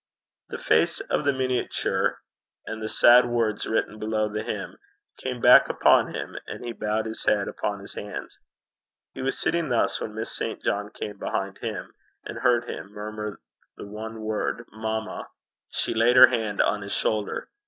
The face of the miniature, and the sad words written below the hymn, came back upon him, and he bowed his head upon his hands. He was sitting thus when Miss St. John came behind him, and heard him murmur the one word Mamma! She laid her hand on his shoulder.